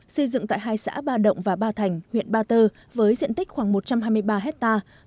xây dựng tại hai xã ba động và ba thành huyện ba tơ với diện tích khoảng một trăm hai mươi ba hectare